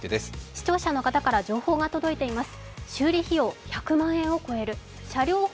視聴者の方から情報が届いています。